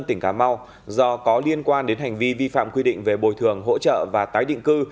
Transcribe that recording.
tỉnh cà mau do có liên quan đến hành vi vi phạm quy định về bồi thường hỗ trợ và tái định cư